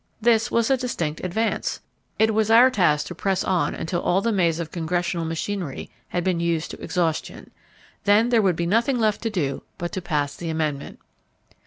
This was a distinct advance. It was our task to press on until all the maze of Congressional machinery had been used to exhaustion. Then there would be nothing left to do but to pass the amendment.